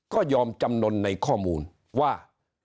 ก็ยอมจำนวนในข้อมูลว่า